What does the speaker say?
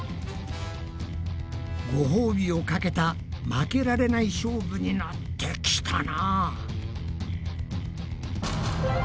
ごほうびをかけた負けられない勝負になってきたな。